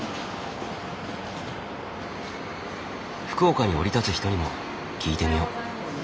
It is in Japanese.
福岡に降り立つ人にも聞いてみよう。